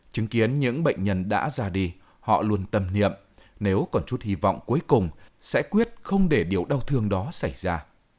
chứng kiến những bệnh nhân đã già đi họ luôn tầm niệm nếu còn chút hy vọng cuối cùng sẽ quyết không để điều đau thương đó xảy ra